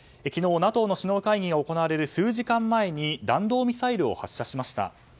昨日、ＮＡＴＯの首脳会議が行われる数時間前に弾道ミサイルを発射しました。